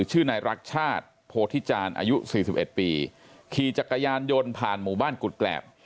ชื่อนายรักชาติโพธิจารอายุ๔๑ปีขี่จักรยานยนต์ผ่านหมู่บ้านกุฎแกรบ